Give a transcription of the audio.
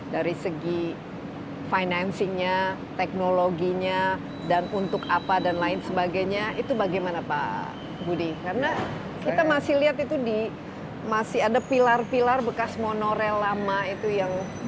dari segi financingnya teknologinya dan untuk apa dan lain sebagainya itu bagaimana pak budi karena kita masih lihat itu di masih ada pilar pilar bekas monorail lama itu yang